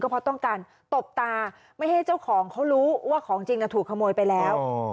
เพราะต้องการตบตาไม่ให้เจ้าของเขารู้ว่าของจริงถูกขโมยไปแล้ว